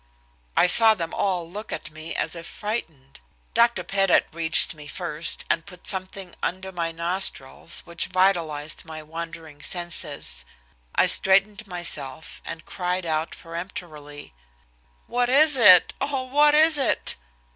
I saw them all look at me as if frightened. Dr. Pettit reached me first and put something under my nostrils which vitalized my wandering senses. I straightened myself and cried out peremptorily. "What is it, oh! what is it?"